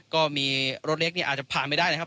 ก็มีรถเล็กเนี่ยอาจจะผ่านไม่ได้นะครับ